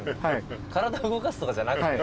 体動かすとかじゃなくて？